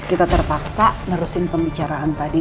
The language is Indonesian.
kita terpaksa nerusin pembicaraan tadi